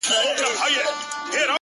• زهر مار د دواړو وچ کړله رګونه ,